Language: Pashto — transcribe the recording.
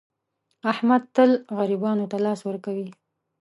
احمد تل غریبانو ته لاس ور کوي.